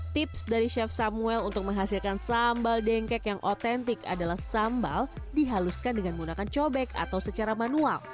tips dari chef samuel untuk menghasilkan sambal dengkek yang otentik adalah sambal dihaluskan dengan menggunakan cobek atau secara manual